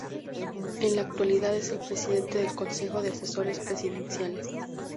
En la actualidad es el Presidente del Consejo de Asesores Presidenciales.